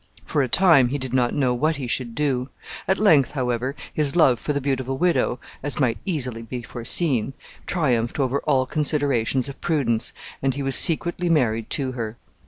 For a time he did not know what he should do. At length, however, his love for the beautiful widow, as might easily be foreseen, triumphed over all considerations of prudence, and he was secretly married to her.